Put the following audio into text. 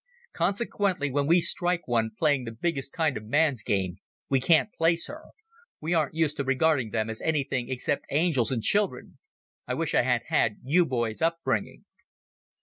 Consequently, when we strike one playing the biggest kind of man's game we can't place her. We aren't used to regarding them as anything except angels and children. I wish I had had you boys' upbringing."